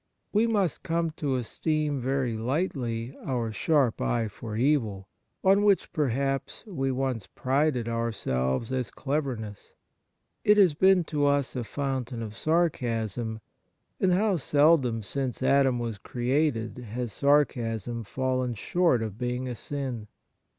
We must come to esteem very lightly our sharp eye for evil, on which, perhaps, we once prided ourselves as cleverness. It has been to us a fountain of sarcasm ; and how seldom since Adam was created has sarcasm fallen short of being a sin